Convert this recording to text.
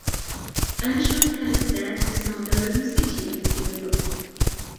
ئەنە شۇ تەرزدە بىزنىڭ دەۋرىمىزگىچە يېتىپ كېلىدۇ.